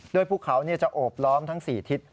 โดยภูเขาจะโอบล้อมทั้ง๔ทิศ